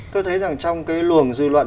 tôi thấy rằng trong cái luồng dư luận